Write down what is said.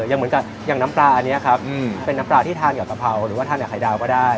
อย่างเหมือนกับอย่างน้ำปลาอันนี้ครับเป็นน้ำปลาที่ทานกับกะเพราหรือว่าทานกับไข่ดาวก็ได้